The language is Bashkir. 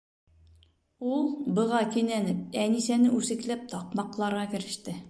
Ул, быға кинәнеп, Әнисәне үсекләп таҡмаҡларға кереште.